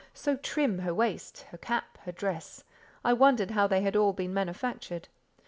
So trim her waist, her cap, her dress—I wondered how they had all been manufactured.